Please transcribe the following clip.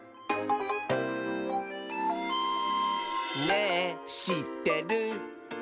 「ねぇしってる？」